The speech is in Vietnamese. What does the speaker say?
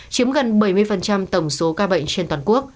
chiếm gần bảy mươi tổng số ca bệnh